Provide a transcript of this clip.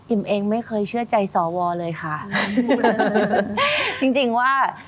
เองไม่เคยเชื่อใจสวเลยค่ะจริงจริงว่า